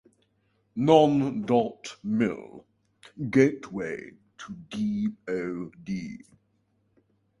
Non-dot-mil; Gateway to DoD.